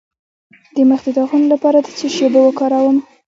د مخ د داغونو لپاره د څه شي اوبه وکاروم؟